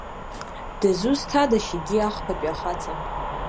Дызусҭадашь егьи, ахԥатәи ахаҵа?